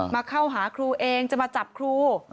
เข้าหาครูเองจะมาจับครู